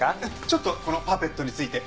ちょっとこのパペットについて。